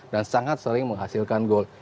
dan sangat sering menghasilkan gol